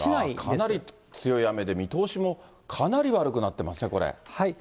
かなり強い雨で、見通しもかなり悪くなってますね、これ。